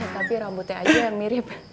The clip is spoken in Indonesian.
tapi rambutnya aja yang mirip